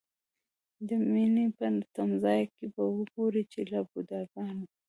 د مینې په تمځای کې به وګورئ چې له بوډاګانو.